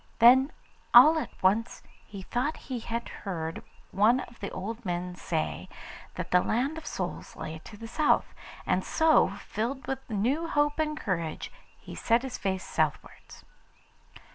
Then all at once he thought he had heard one of the old men say that the Land of Souls lay to the south, and so, filled with new hope and courage, he set his face southwards.